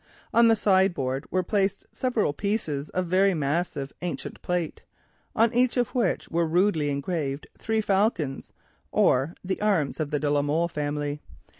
On this sideboard were placed several pieces of old and massive plate, each of which was rudely engraved with three falcons or, the arms of the de la Molle family.